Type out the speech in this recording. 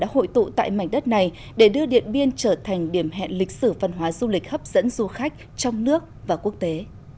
hội tụ tại mảnh đất này để đưa điện biên trở thành điểm hẹn lịch sử văn hóa du lịch hấp dẫn du khách trong nước và quốc tế